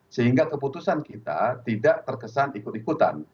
sehingga keputusan kita tidak terkesan ikut ikutan